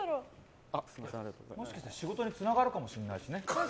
もしかして仕事につながるかもしれないしね。